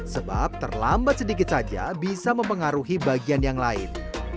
sebab terlambat sedikit saja bisa mempengaruhi bagian yang lain